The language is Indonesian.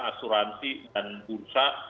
asuransi dan bursa